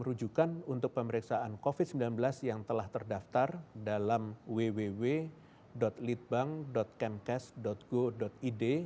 rujukan untuk pemeriksaan covid sembilan belas yang telah terdaftar dalam www litbang kemkes go id